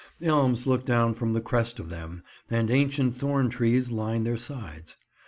Elms look down from the crest of them, and ancient thorn trees line their sides.